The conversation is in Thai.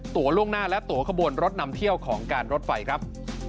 ล่วงหน้าและตัวขบวนรถนำเที่ยวของการรถไฟครับ